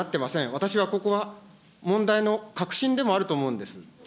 私はここは、問題の核心でもあると思うんです。